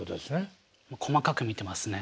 細かく見てますね。